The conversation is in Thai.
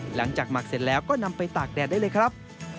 หมักเสร็จแล้วก็นำไปตากแดดได้เลยครับ